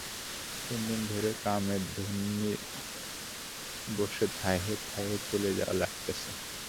তিন দিন ধরে কামের জন্যি বসে থাহে থাহে চলে যাওয়া লাগতেছে।